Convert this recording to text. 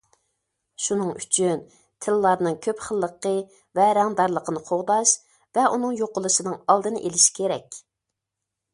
شۇنىڭ ئۈچۈن، تىللارنىڭ كۆپ خىللىقى ۋە رەڭدارلىقىنى قوغداش ۋە ئۇنىڭ يوقىلىشىنىڭ ئالدىنى ئېلىش كېرەك.